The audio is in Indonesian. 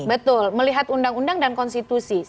betul melihat undang undang dan konstitusi